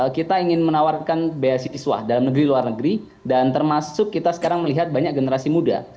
kita ingin menawarkan beasiswa dalam negeri luar negeri dan termasuk kita sekarang melihat banyak generasi muda